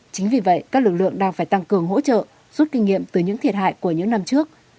chính vì vậy các lực lượng đang phải tăng cường hỗ trợ rút kinh nghiệm từ những thiệt hại của những năm trước